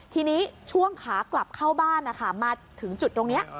ทีนี้ช่วงขากลับเข้าบ้านนะคะมาถึงจุดตรงนี้